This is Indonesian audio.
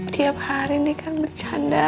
tiap hari ini kan bercanda